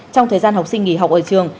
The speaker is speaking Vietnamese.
trong thời gian học sinh nghỉ học ở trường